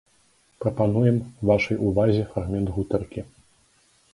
Прапануем вашай увазе фрагмент гутаркі.